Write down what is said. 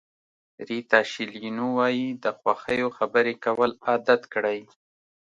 ریتا شیلینو وایي د خوښیو خبرې کول عادت کړئ.